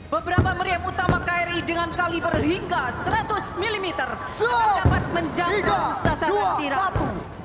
beberapa meriem utama kri dengan kaliber hingga seratus mm dapat menjaga sasaran dirat